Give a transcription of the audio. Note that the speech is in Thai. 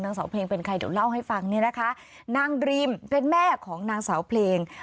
เสาเพลงเป็นใครเดี๋ยวเล่าให้ฟังเนี่ยนะคะนางดรีมเป็นแม่ของนางสาวเพลง